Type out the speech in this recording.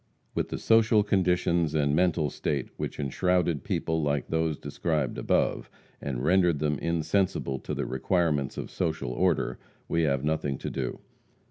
With the social conditions and mental state which enshrouded people like those described above, and rendered them insensible to the requirements of social order, we have nothing to do.